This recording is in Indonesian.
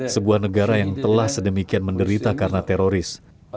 sebuah negara yang telah sedemikian menderita karena teroris